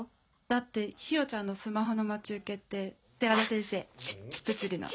だってヒロちゃんのスマホの待ち受けって寺田先生物理の。